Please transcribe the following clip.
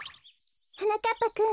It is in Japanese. はなかっぱくん。